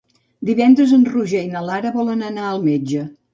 Divendres en Roger i na Lara volen anar al metge.